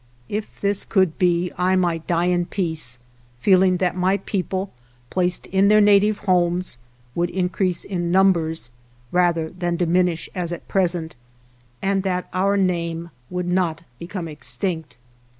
If this could be I might die in peace, feeling that my people, placed in their native homes, would increase in num bers, rather than diminish as at present, and that our name would not become extinct.